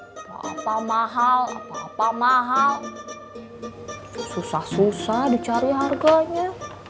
berapa mahal apa apa mahal susah susah dicari harganya